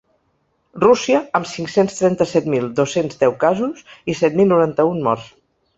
Rússia, amb cinc-cents trenta-set mil dos-cents deu casos i set mil noranta-un morts.